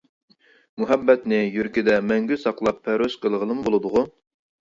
مۇھەببەتنى يۈرىكىدە مەڭگۈ ساقلاپ پەرۋىش قىلغىلىمۇ بولىدىغۇ؟ .